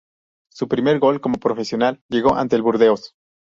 Su primer gol como profesional llegó ante el Burdeos.